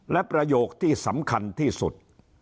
และประโยคที่สำคัญที่สุด